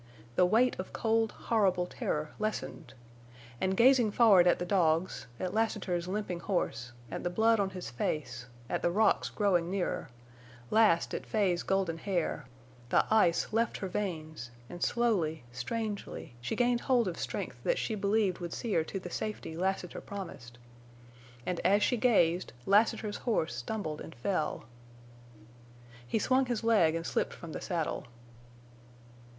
The weight of cold, horrible terror lessened. And, gazing forward at the dogs, at Lassiter's limping horse, at the blood on his face, at the rocks growing nearer, last at Fay's golden hair, the ice left her veins, and slowly, strangely, she gained hold of strength that she believed would see her to the safety Lassiter promised. And, as she gazed, Lassiter's horse stumbled and fell. He swung his leg and slipped from the saddle.